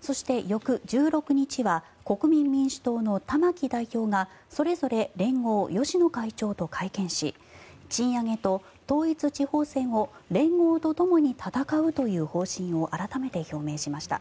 そして、翌１６日は国民民主党の玉木代表がそれぞれ連合、芳野会長と会見し賃上げと統一地方選を連合とともに戦うという方針を改めて表明しました。